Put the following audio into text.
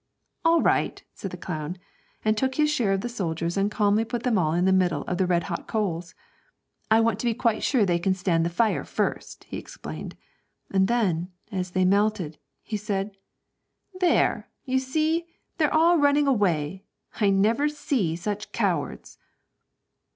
'All right,' said the clown, and took his share of the soldiers and calmly put them all in the middle of the red hot coals. 'I want to be quite sure they can stand fire first,' he explained; and then, as they melted, he said, 'There, you see, they're all running away. I never see such cowards.'